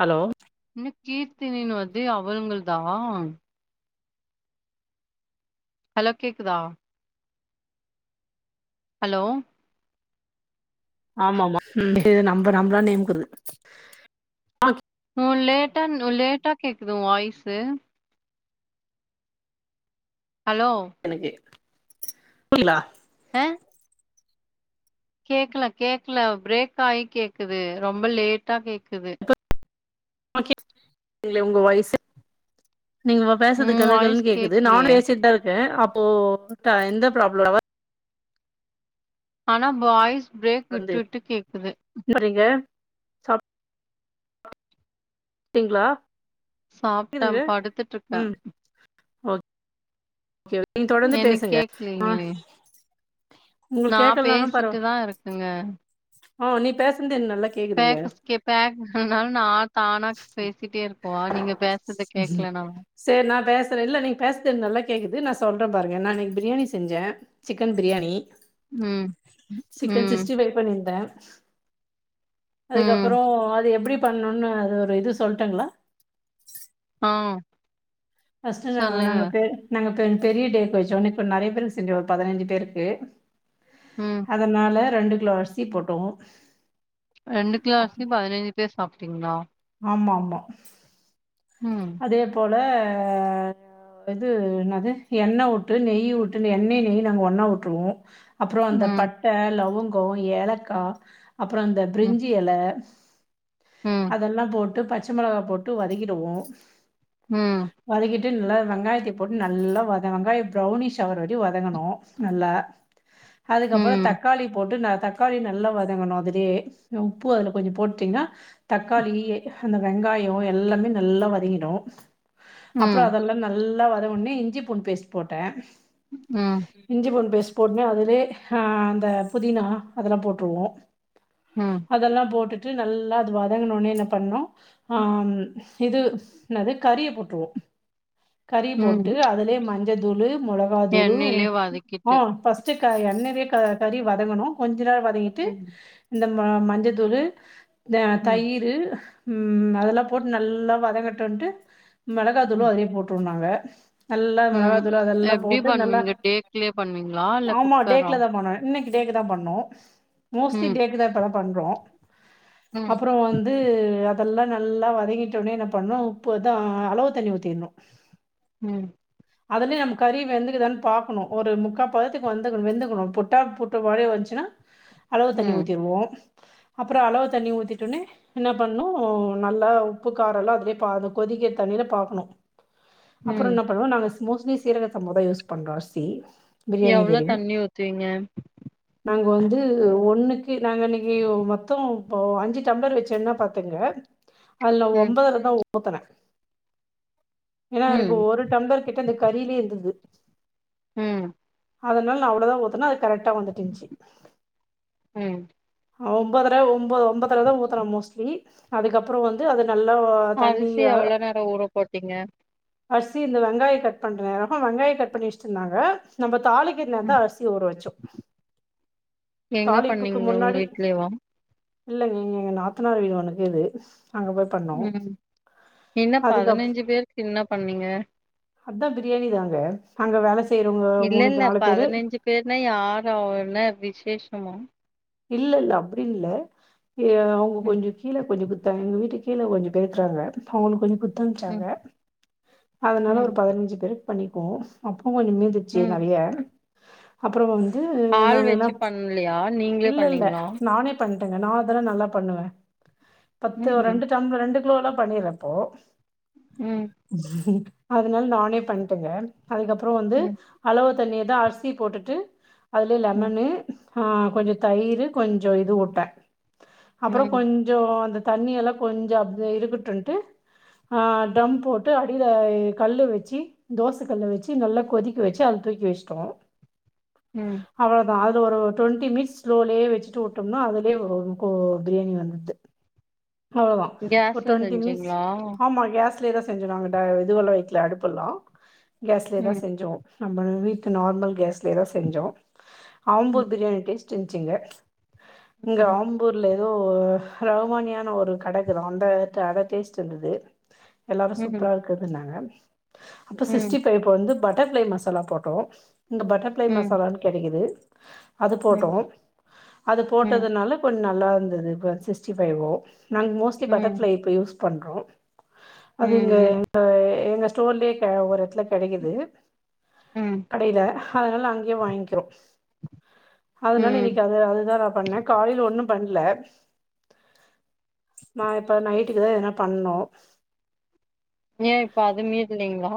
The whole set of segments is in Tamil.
ஹலோ இன கீர்த்தினி வர்து அவங்கள் தா ஹலோ கேக்குதா ஹலோ ஆமா ஆமா நம்ம நம்மளா நேம்க்கு வர்து உலேட்டா உலேட்டா கேக்குது உ வாய்ஸு ஹலோ எனக்குகேக்குத் [inaudible] ங்களா ஆ கேக்கல கேக்கல பிரேக் ஆயி கேக்குது ரொம்ப லேட்டா கேக்குது ஆ கே ங்களே உங்க வாய்ஸு நீங்க இப்ப உ பேசறது வாய்ஸ் கலகலனு கேக்குது நான் கேக்கலையே பேசிட்ட து அப்போ உட்டா எந்த ப்ராப்ளம்வா ஆனா பாய்ஸ் பிரேக் விட்டு வந்து விட்டு கேக்குது சாப் டிங்களா சாப்ட்டன் படுத்துட்டு இருக்கன் ஓகே நீங்க தொடர்ந்து பேசுங்க ஆ உங்களுக்கு நான் கேக்கலனாலு பரவா பேசிட்டுதா இருக்கங்க ஆ நீ பேசன்து எனக்கு நல் பேக்கஸ் கேப்ப நான் நா தானா பேசிட்டே இருப்போ நீங்க பேசறது கேக்கலனா தற இல்ல நீங்க பேசத்து எனக்கு நல்லா கேக்குது நான் சொல்றன் பாருங்க நான் இன்னைக்கு பிரியாணி செஞ்சேன் சிக்கன் பிரியாணி ம் சிக்கன் ம் சிக்ஸ்டி பைவ் பண்ணி இருந்தன் [inaudible] ம். அதுக்கப்புறம் அது எப்டி பண்ணுன்னு அது ஒரு இது சொல்ட்டங்களா ஆ ஃபஸ்ட்டு நாங்க சொல்லுங்க. நாங்க பே நாங்க டன் பெரிய டேக் வச்ச ஒன்னே கொஞ் நறையா பேருக்கு செஞ்சோ ஒரு பதினஞ்சி பேருக்கு ம். அதனால ரெண்டு கிலோ அரிசி போட்டோம் ரெண்டு கிலோ அரிசி பதினஞ்சி பேர் சாப்ட்டிங்களா ஆமா ஆமா ம். அதே போ ல இது என்னாது எண்ண உட்டு நெய்யி உட்டு எண்ணெய் நெய் நாங்க ஒண்ணா உட்டுருவோம் அப்புறம் அந்த ம். பட்ட லவுங் தோ ஏலக்கா அப்பறம் அந்த ம். பிரிஞ்சி எல ம். அதெல்லா போட்டு பச் பச்ச மெளகா போட்டு வதக்கிடுவோம் ம் நல்லா வெங்காயத்தை போட்டு நல்லா வெங்காய புரௌனிஷ் ஆவுர வரை வதங்கணும் நல்லா அதுக்கப்புற ம். தக்காளி போட்டு ந தக்காளி நல்லா வதங்கணு அதுலே உப்பு அதுல கொஞ்ச போட்டீங்கன்னா தக்காளி அந்த வெங்காயம் எல்லாமே நல்லா வதங்கி ஹலோ அப்புற ம். அதெல்லா நல் நல்லா வர ஒனே இஞ்சி பூண்டு பேஸ்ட் போட்டேன் ம். இஞ்சி பூண்டு பேஸ்ட் போட்டுமே அதுல அ அந்த புதினா அதெல்லா போட்ருவோம் ம். அதெல்லா போட்டுட்டு நல்லா அது வதங்குனோனே என்ன பண்ணும் ஆ இது என்னது கறிய போட்டருவோம் கறி போட்டு ம். அதுலயே மஞ்ச தூளு மொளகா தூளு எண்ணெயிலயே வதக்கிட்டு. ஆம் பஸ்ட் எண்ணெய்லே கறி வதங்கணு கொஞ் நல்லா வதங்கிட்டு ம். ம மஞ்சத்தூளு த ம். தயிரு ம் அதெல்லா போட்டு நல்லா வதங்கட் டுண்ட்டு மெளகாத்தூளும் ம். அதுலே போட்ருந்தாங்க நல்லா ம். மெளகாதூள்ல அதுல்ல எப்டி போட்டு நல்லா பண்ணுவீங்க? டேக்லயே பண்ணுவீங்களா? இல்ல ஆமா குக்கரா? டேக்ல தான் பேண்ணே இன்னைக்கு டேக்குதான் பண்ணு மோஸ்ட்லி ம். டேக்குதான் டுரோ பண்ற ம். அப்புற வந்து அப் இதெல்லா நல்லா வதங்கிட்டோனே என்ன பண்ணு உப்பு அதா அளவு தண்ணி ஊத்திகினு ம் அதுலேயும் நம்ம கறி வெந்துக்குதான்னு பாக்கணும் ஒரு முக்கா பதத்துக்கு வந்துக்கணும் வெந்துக்கணும் புட்டா புட்டு மாதிரி வந்துச்சுன்னா அளவு தண்ணி ம். ஊத்திருவோம் அப்புறம் அளவு தண்ணி ஊத்திட்டுனே என்ன பண்ணும் நல்லா உப்பு காரம் எல்லாம் அததுலயே பாது கொதிக்க தண்ணியில பார்க்கணும் அப்புறம் ம். என்ன பண்ணுவோம் நாங்க மோஸ்ட்லி சீரக சம்பா தான் யூஸ் பண்றோம் அரிசி பிரியாணி எவ்ளோ கறியும். தண்ணி ஊத்துவீங்க நாங்க வந்து ஒன்னுக்கு நாங்க இன்னைக்கு மொத்தம் அஞ்சு டம்ளர் வச்சோன்னா பாத்துங்க அதுல ம். ஒன்பதர தான் ஊத்துனேன் ஏன்னா ம். எனக்கு ஒரு டம்ளர் கிட்ட இந்த கறிலயே இருந்தது ம் அதனால நா அவ்ளோதான் உஊத்துனேன் கரெக்ட்டா வெந்துட்டு இருந்ச்சு ம். ஆ ஒம்பதர ஒம்போ ஒம்பத்தர தான் ஊத்துரேன் மோஸ்ட்லி அதுக்கப்புறம் வந்து அது நல்லா தண்ணி அரிசி அ- எவ்ளோ நேரம் ஊற போட்டீங்க அரிசி இந்த வெங்காயம் கட் பண்ற நேரம் வெங்காயம் கட் பண்ணிச்சட்டு இருந்தாங்க நம்ம தாளிக்குந்த தான் ம். அரிசி ஊற வச்சோம் எங்க தாளிப்புக்கு பண்ணீங்க? உங்க முன்னாடி வீட்லயேவா? இல்லைங்கங்க எங்க நாத்தனார் வீடு ஒன்னக்குது அங்க தான் பண்ணோம் ம். என்ன அதுக்கப் பதினைஞ்சு பேருக்கு என்ன பண்ணீங்க அதான் பிரியாணி தாங்க நாங்க வேலை செய்கிறவங்க இல்ல மூணு பேர், இல்ல நாலு பேர் பதினைஞ்சு பேர்னா யார அவ்வாலாம் என்னா விசேஷமா இல்ல இல்ல அப்படி இல்ல அவுங்க ம் கொஞ்சம் கீழ கொஞ்சம் குடுத்தாங்க எங்க வீட்டுக் கீழ கொஞ்சம் பேசுறாங்க அவங்களுக்கு கொஞ்சம் ம் துன்ச்சாங்க அதனால ம் ஒரு பதினஞ்சு பேரு பண்ணி பேல்ஸ் அப் முஞ்சிச்சி ம் நறைய அப்புறோ வ ஆள் வச்சி பண்ணலையா நீ இல்ல இல்ல நானே பண் என்ன நா அதெல்லா நல்லா பண்ணுவே பத்து ம் ரெண்டு சம் ரெண்டு இவ்ளோ எல்லா பண்ணிறப்போ ம் [inaudible] அதனால நானே பண்ணட்டங்க அதுக்கப்புறோ வந்து ம் அளவ தண்ணியதா அரிசி போட்டுட்டு அதுலயே ம் லெமன்னு ஆ கொஞ்சத் தயிர் கொஞ்சோ இது ஊட்டே அப்புறோ ம் கொஞ்சோ அந்த தண்ணிய எல்லா கொஞ்சோ அப்து இருக்கட்டுன்ட்டு ஆ ட்ம் போட்டு அடியில கல் வச்சி தோச கல் வச்சி நல்லா கொதிக்க வச்சி அது தூக்கி வச்சிட்டோ ம் அவ்வளதா த் ஒரு டுவெண்டி மினிட்ஸ் ஸ்லோலியே வச்சிட்டுவுட்டோம்னா அதுலயே ஒ கோ பிரியாணி வந்து அவ்ளதா ஒரு கேஸ்ல டொண்டி மினிட்ஸ் செஞ்சீங்களா ஆமா கேஸ் த்தியேதா செஞ்சா டை இதுவல்லா வைக்கல அடுப்பு எல்லா கேஸ்லியே தா ம் செஞ்சோ நம்ம வீட்டு நார்மல் கேஸ் ரேதா செஞ்சோ ஆம்பூர் ம் பிரியாணி டேஸ் செஞ்ச்சிங்க இங்க ம் ஆம்பூர்ல ஏதோ ரகுமானியான ஒரு கடைக்குதா அந்த த அத டேஸ்ட் இருந்தது எல்லாரு ம் சூப்பரா இருக்குதுன்னாங்க அப்ப ம் ம் சிஸ்டி பை வந்து பட் பட்டர்ஃப்ளை மசாலா போட்டோ இங்க பட்டர்ஃப்ளை ம் மசாலான்னு கெடைக்குது அது ம் போட்டோம் அது ம் போட்டதுனால கொஞ் நல்லா இருந்தது சிக்ஸ்டி பைவோ நாங்க மோஸ்லி ம் பட்டர்ஃப்ளை இப்பயூஸ் பண்றோம் அது இங்க ம் எங்க எங்க ஸ்டோர்லயே ஒரு எடத்துல கெடைக்குது ம் கடையில அதனல அங்கேயே வாங்க்கிறோம் அதனால ம் இனீனைக்கு அது அதுதா நா பண்ணே காலையில ஒன்னும் பண்ணல நா இப்ப நைட்டுக்கு தா என்ன எதனா பண்ணும் ஏன் இப்ப அது மீற்லைங்களா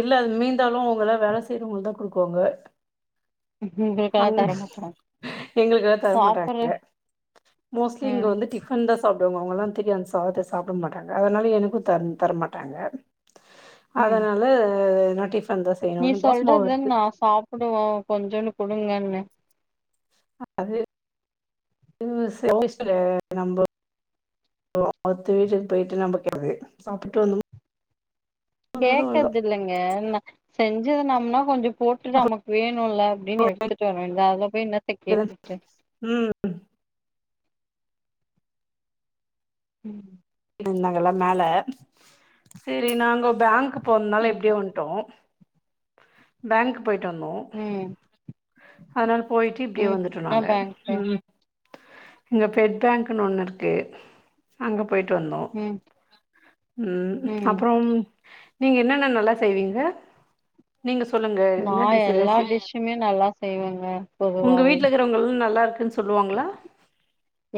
இல்ல அது மீந்தாலும் அவுங்கலா வேல செய்யறவங்கதா குடுக்குவாங்க உங்களுக்காக அவுங்க தரமாட்டாங்க எங்களுக்கு வேர சாப்புட்ற தரமாட்டாங்க மோஸ்ட்லி இங்க ம் வந்து டிபன் தா சாப் அவுங்க எல்லா திரியு அந்த சாதத்த சாப்பிட மாட்டாங்க அதனால எனக்கு தர் தர மாட்டாங்க ம் அதனால [unintelligible] டிஃபன் தா நீ செய்யணு தோசமாவு சொல்றது இருக்கு கொடுங்கன்னு அது அது அவுங்க இஸ்டோலே நம்ம அத்த வீட்டுக்கு போய்ட்டு நம்ம கேக்ககூடாது சாப்புட்டு வந்துனோ கேக்கர்து இல்லங்க நா செஞ்சது நம்மனா கொஞ்சோ போட்டுட்டு அப்றோ நமக்கு வேணுல அப்டின்னு எடுத்துட்டு வரவேண்டிதா அதுல போய் என்னத்த கேட்டுகிட்டு ம் ம் நாங்க எல்லா மேல செரி நாங்கோ பேங்க்க் போறனால ம் இப்டியே வன்ட்டோ பேங்க் போயிட்டு வந்தோ ம் அதனால போயிட்டு இப்டியே ம் வந்துடோ என்ன நாங்க பேங்க்கு ம் இங்க பெட் பேங்க்னு ஒண்ணு இருக்கு அங்க போ வந்துட்யிருந்தோ ம் ம் அப்றோ ம் நீங்க என்னென்ன நல்லா செய்வீங்க நீங்க சொல்லுங்க நா என்னடி எல்லா ஹச டிஷ்ஷுமே நல்லா செய்வேங்க உங்க பொதுவாவே வீட்ல இருக்கிறவங்கள நல்லாருக் சொல்லுவாங்ளா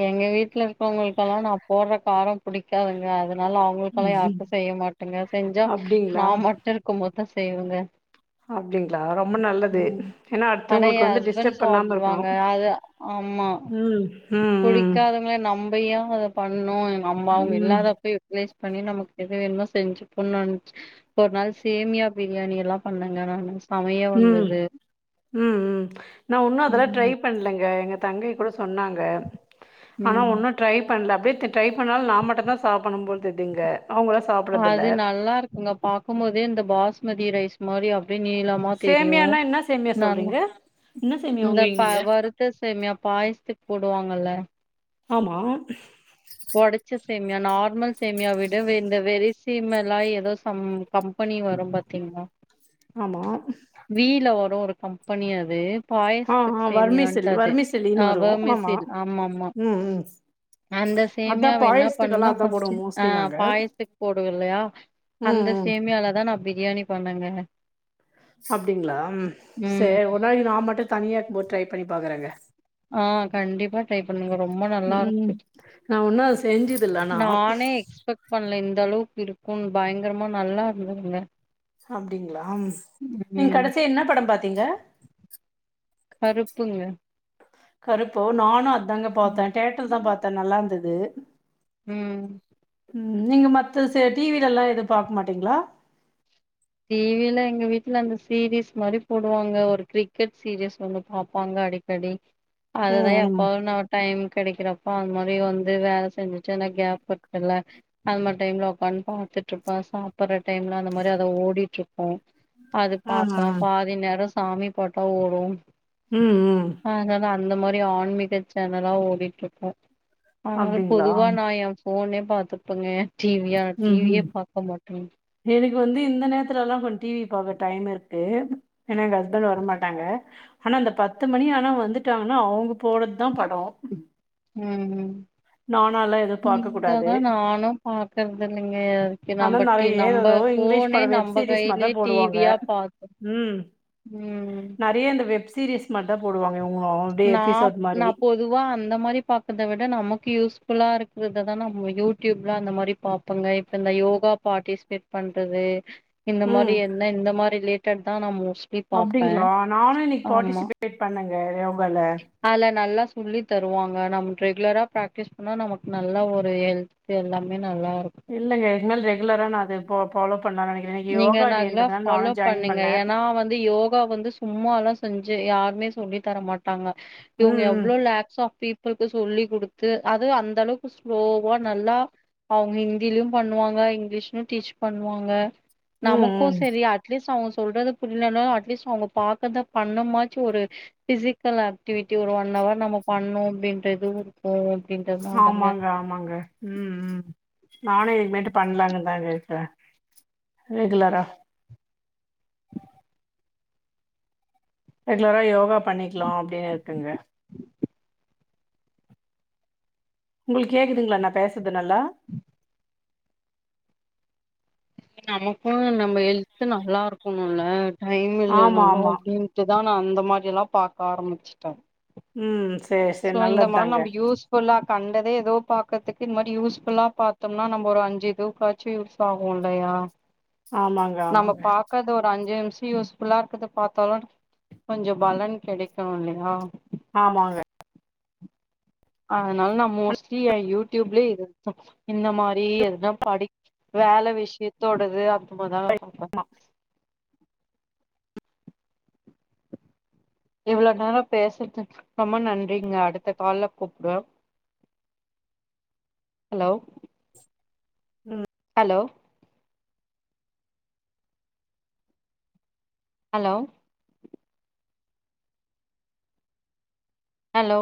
எங்க வீட்ல இருக்கவங்களு எல்லாம் நா போடுற காரம் புடிக்காதுங்க அது அதுனால அவங்களுக்கெல்லா ம்ஹும். யாருக்கும் செய்ய மாட்டேங்க செஞ்சா நா அப்டிங்களா மட்டு இருக்கும் போது செய்வங்க அப்டிங்களா ரொம்ப நல்லது ஏன்னா ஆனா எ அடுத்துவங்களுக்கு வந்து ஹஸ்பண்ட் டிஸ்டர்ப் பண்ணாம இருக்கணு சாப்டுவாங்க ம் ம் புடிக்காதங்க நம் நம்ப யோ அத பண்ணு அம்மா அவங்க ம் இல்லாதா எப்லேஸ் பண்ணி நமக்கு எது வேணுமோ செஞ்சுப்பண்ணு ஒரு நாள் சேமியா பிரியாணி எல்லா பண்ணங்க நா ம் ம் ம் நா ஒன்னு அதுல்லா ட்ரை ம் பண்ணலங்க எங்க தங்கை கூட சொன்னாங்க ஆனா ம் ஒன்னு ட்ரை பண்ணல அப்படியே ட்ரை பண்ணாலு நா மட்டு தான் சாப்பண்ணும் போ தெரிது இங்க அது நல்லா இருக்குங்க பாக்கும்போதே இந்த பாஸ்மதி ரைஸ் ஸ்மதியா அப்டி நீளமா தெரியு சேமியானா என்ன சேமியா நா சொல்றீங்க என்ன சேமியா இந்த வாங்குவீங்க வ நீங்க வருத்த சேமியா பாயசத்துக் போடுவாங்கல்ல ஆமா ஒடச்ச சேமியா நார்மல் சேமியா விட வெந் இந்த வெரிசிமெல்லா எதோ சம் கம்பெனி வரும் பாத்தீங்ளா ஆமா கம்பனி அது ஆ பாயசத்துக்கு ஆ சேமியான்ட்டு வர்மிசெல் அது ஆ வர்மிசெல்லின்னு வரும் வாமசில் ஆமா ஆமா ம் ம் அந்த அதான் சேமியாவ என்ன பாயசத்துக்கெல்லாம் பண்ணுங்க அதான் போடுவோம் ஆ மோஸ்ட்லி நாங்க பாயசத்து போடுவோ இல்லயா ம் அந்த ம் சேமியால தா நா பிரியாணி பண்ணேங்க அப்டீங்ளா ம் சேரி ஒரு நாளக்கி நா மட்டு தனியா இருக்கும்போது ட்ரை பண்ணி பாக்குறேங்க ஆ கண்டிப்பா ட்ரை பண்ணுங்க ரொம்ப நல்லா ம் இருக்கு நா ஒன்னு அத செஞ்சதுலானா அந்த அளவுக்கு இருக்கு பயங்கரமா நல்லா இருந்ததுங்க அப்டிங்களா நீங்க ம் கடசியா என்ன படம் பாத்தீங்க கருப்புங்க கருப்போ நானு அ இது தாங்க பாத்தே தியேட்டர் தா பார்த்தே நல்லா இருந்தது து ம் ம் நீங்க மத்த டிவில எல்லா எது பாக்க மாட்டீங்களா டிவில எங்க வீட்ல அந்த சீரிஸ் மாரி போடுவாங்க ஒரு கிரிக்கெட் சீரிஸ் ஒன்னு பாப்பாங்க அடிக்கடி அதுதா ம் ம் எப்பவு நா டைம் கெடக்கிறப் அந்த மாரி வந்து வேல செஞ்சுட்டு அந்த கேப் அந்த மாரி டைம்ல ஒக்காந்து பாத்துட்டு இருப்ப சாப்டுற டைம்ல அந்த மாரி அத ஓ வீட்லருக்கோ அது ஆ ஆ பாப்ப பாதி நேரோ சாமி பாட்டா ஓடு ம் ம் அதனால அந்த மாரி ஆன்மீக சேனலா ஓடிட்டு இருக்கு அதனால அப்டிங்களா பொதுவா நா எ ஃபோனே பாத்துப்புங்க டிவியா ம் டிவியே ம் பாக்க மாட்டோ எனக்கு வந்து இந்த நேரத்துலா கொஞ்ச டிவி டைம் இருக்கு ஏனா எங்க ஹஸ்பண்ட் வர மாட்டாங்க ஆனா அந்த பத்து மணி ஆனா வந்துட்டாங்கன்னா அவுங்க போடது தா படோ ம் நானால்லா எதுவு ம் பாக்க இத கூடாது தா நானு பாக்குறது இல்லங்கே ஆனா நெறைய ஏ ஏதோ இங்கிலீஷ் பட வெப் நம்ப சீரிஸ் மாரிதா கையிலே போடுவாங்க டிவியா பாத்து ம் ம் நெறைய இந்த வெப் வெப் சீரிஸ் மட்டு போடுவாங்க இவுங்களு அப்டியே நா எபிசோட் நா மாரி பொதுவா அந்த மாரி பாக்கத விட நமகு யூஸ் ஃபுலா இருகறததா நம்ம யூடியூப்ல அந்த மாரி பாபோங்க இப்ப இந்த யோகா பாடிசிபேட் பண்றது இந்த மாரி என்ன இந்த மாரிலே டதா நம்மு அப்டிங்ளா நானு இன்னிகு பாடிசிபேட் பண்ணங் கவு அல நல்லா சொல்லி தருவாங்க நம்ம ரெகுலரா பிராக்டிஸ் பண்ணா நமக்கு நல்லா ஒரு ஹெல்த் எல்லாமே நல்லா இருக்கு இல்லங்க இதுக்கு க்கு மேல் ரெகுலரா நான் அது போ பாலோ நீங்க நல்லா ஃபாலோ ஜாயின் பண்ணுங்க பண்ணே ஏன்னா வந்து யோகா வந்து சும்மலா செஞ்சு யாருமே சொல்லி தரமாட்டாங்க இவங்க ம் ம் எவ்ளோ லேக்ஸ் ஆப் பீப் மக்களுக்கு சொல்லி குடுத்து அது அந்த அளவுக்கு ஸ்லோவா நல்லா அவுங்க ஹிந்திலயும் பண்ணுவாங்க இங்கிலீஷ்ல டீச் பண்ணுவாங்க ம் நமக்கும் ம் செரி அட்லீஸ் அவங்க சொல்றது புரிலனா அட்லீஸ் அவுங்க பாக்கத பண்ண மாச்சி ஒரு பிசிகல் ஆக்டிவிட்டி ஒரு ஒன் அவர் நம்ம பண்ணுவோம் அப்டின்ட்டு இருக்கும் ஆமாங்க ஆமாங்க ம் ம் நானு இதுமேட்டு பண்ணலாங்க தான் இருக்கேன் ரெகுலரா ரெகுலரா யோகா பண்ணிகலாம்அப்டின்னு இருகுங்க உங்களுக்கு கேகுதுங்களா நா பேசறது நல்லா நமக்கும் நம்ம எல் த்து நல்லா இருக்கணும்ல டைம் இல்ல ஆமா நானும் ஆமா அப்டினுட்டு தான் நான் அந்த மாரிலாம் பாக்க ஆரம்பிச்சுடேன் ம் செர் செர் நல்லது தாங்க யூஸ்ஃபுல்லா கண்டதே ஏதோ பாக்றதுக்கு இந்த மாரி யூஸ் ஃபுல்லா பாத்தோனா நம்ம ஒரு அஞ்சுஇதுகாச்சு யூஸ் ஆகும்லயா ஆமாங்க நம்ம ஆமாங்க பாக்காத ஒரு அஞ்சே நிமிஷ யூஸ் ஃபுல்லா இருக்குறத பாத்தாலும் கொஞ்சம் பலன் கெடைக்கும் இல்லையா ஆமாங்க அதனால நான் மோஸ்ட்லி என் யூ டி யூப் ல இது இந்த மாரி எதுனா படி வேல விஷயதோடது அந்த மாரிதான் ம் பா இவ்ளோ நேரம் பேசுனது ரொம்ப நன்றிங்க அடுத்த கால்ல கூப்டுவேன் ஹலோ ம் ஹலோ ஹலோ ஹலோ